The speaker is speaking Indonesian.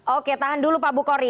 oke tahan dulu pak bu khori